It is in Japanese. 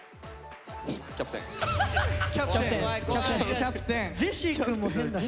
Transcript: キャプテン？